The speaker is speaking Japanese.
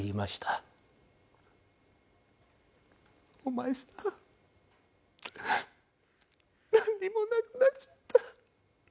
お前さんなんにもなくなっちゃった。